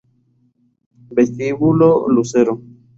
Vestíbulo Lucero